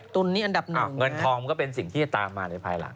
ตุลนี่อันดับหนึ่งเงินทองมันก็เป็นสิ่งที่จะตามมาในภายหลัง